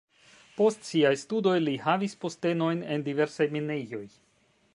Post siaj studoj li havis postenojn en diversaj minejoj.